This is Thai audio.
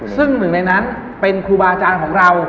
ซึ่งหนึ่งในนั้นเป็นครูบาอาจารย์ของเรา